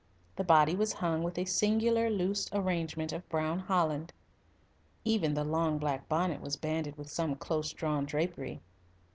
The body was hung with a singular loose arrangement of brown holland. Even the long black bonnet was banded with some close drawn drapery.